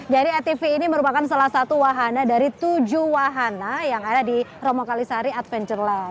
jadi tv ini merupakan salah satu wahanda dari tujuh wahanda yang ada di romo kalisari adventureland